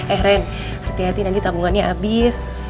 eh ren hati hati nanti tabungannya habis